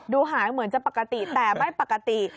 หายเหมือนจะปกติแต่ไม่ปกติ